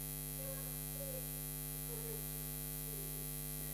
Vrátil jsem se opět ke své lékařské praxi.